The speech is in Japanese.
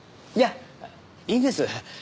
いやいいんです。